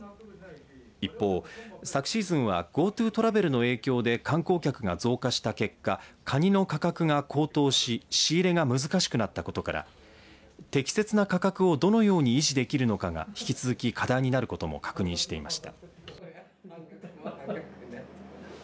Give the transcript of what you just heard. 一方、昨シーズンはＧｏＴｏトラベルの影響で観光客が増加した結果カニの価格が高騰し仕入れが難しくなったことから適切な価格をどのように維持できるのかが引き続き課題になることも確認していました。